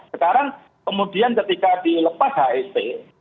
sekarang kemudian ketika dilepas hisp